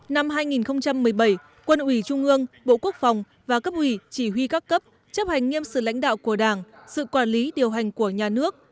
năm hai nghìn một mươi bảy quân ủy trung ương bộ quốc phòng và cấp ủy chỉ huy các cấp chấp hành nghiêm sự lãnh đạo của đảng sự quản lý điều hành của nhà nước